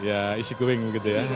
ya isi kering gitu ya